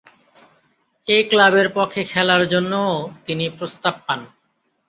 এ ক্লাবের পক্ষে খেলার জন্যও তিনি প্রস্তাব পান।